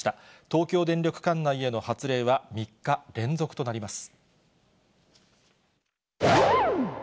東京電力管内への発令は３日連続となります。